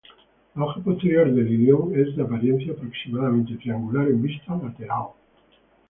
La hoja posterior del ilion es de apariencia aproximadamente triangular en vista lateral.